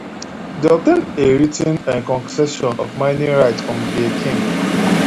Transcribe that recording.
They obtained a written concession for mining rights from they king.